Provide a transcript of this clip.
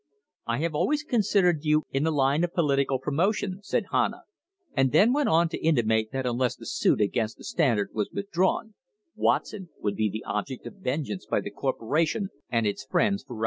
"I have always considered you in the line of political promotion," said Hanna, and then went on to intimate that unless the suit against the Standard was withdrawn, Watson would be the object of vengeance by the corporation and its friends forever [I 4 6] GROUP OF CLEVELAND CITIZENS Who called on John D.